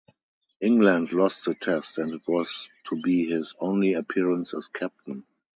England lost the test, and it was to be his only appearance as captain.